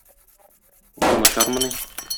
Бу начармыни?